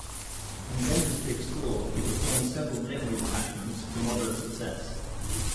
In "Bender's Big Score", he performs several limb reattachments to moderate success.